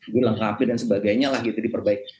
dilengkapi dan sebagainya lah gitu diperbaiki